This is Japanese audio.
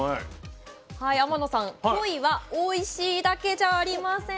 天野さんコイはおいしいだけじゃありません。